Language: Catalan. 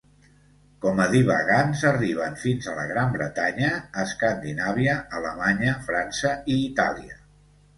Com a divagants arriben fins a la Gran Bretanya, Escandinàvia, Alemanya, França i Itàlia.